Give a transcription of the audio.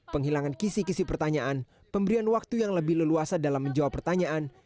penghilangan kisi kisi pertanyaan pemberian waktu yang lebih leluasa dalam menjawab pertanyaan